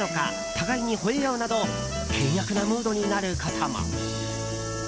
互いにほえ合うなど険悪なムードになることも。